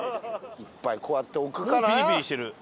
いっぱいこうやって置くかな。